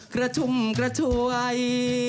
กระชุ่มกระช่วย